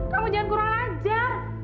kamu jangan kurang ajar